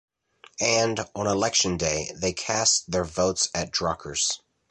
And, on election day, they cast their votes at Drucker's.